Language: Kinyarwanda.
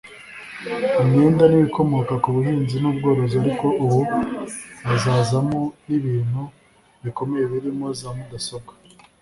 imyenda n’ibikomoka ku buhinzi n’ubworozi ariko ubu hazazamo n’ibintu bikomeye birimo za mudasobwa